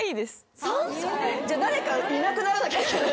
じゃあ誰かいなくならなきゃいけない。